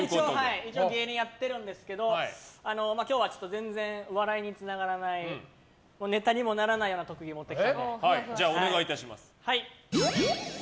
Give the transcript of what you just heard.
一応、芸人やってるんですけど今日は全然、笑いにつながらないネタにもならないようなお願いします。